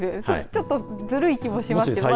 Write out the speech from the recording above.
ちょっとずるい気もしますけど。